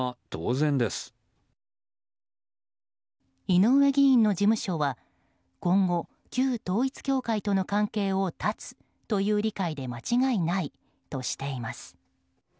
井上議員の事務所は今後旧統一教会との関係を断つという理解で間違いないとしています。